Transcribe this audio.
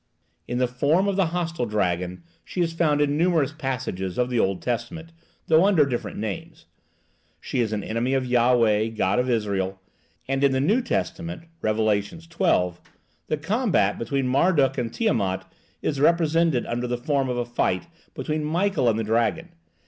In the form of the hostile dragon she is found in numerous passages of the Old Testament, though under different names. She is an enemy of Yahwe, god of Israel, and in the New Testament (Rev. xii.) the combat between Marduk and Tiamat is represented under the form of a fight between Michael and the Dragon.